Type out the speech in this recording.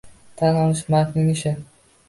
Tan olish mardning ishi